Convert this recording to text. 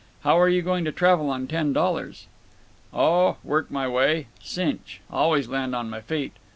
How are you going to travel on ten dollars?" "Oh, work m' way. Cinch. Always land on my feet.